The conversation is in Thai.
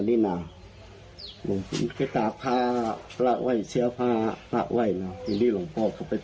เพราะว่าพอคลิปเนี้ยเผยแพร่ออกไป